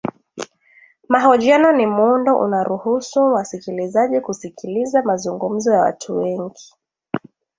mahojiano ni muundo unaruhusu wasikilizaji kusikiliza mazungumzo ya watu wengi